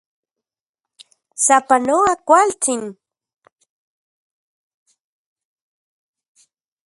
¡Sapanoa kualtsin!